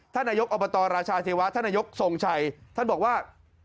นายกอบตราชาเทวะท่านนายกทรงชัยท่านบอกว่า